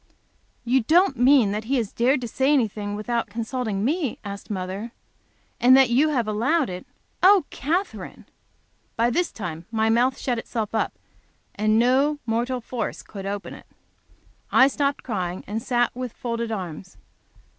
"You don't mean that he has dared to say anything without consulting me?" asked mother. "And you have allowed it! Oh, Katherine!" This time my mouth shut itself up, and no mortal force could open it. I stopped crying, and sat with folded arms.